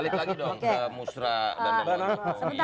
balik lagi dong mbak musra dan mbak mbak mbak